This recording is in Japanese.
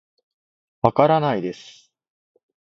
わからないです